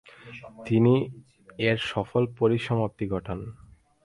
তিনি এর সফল পরিসমাপ্তি ঘটান।